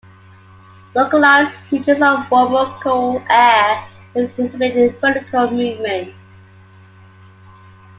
Localized regions of warm or cool air will exhibit vertical movement.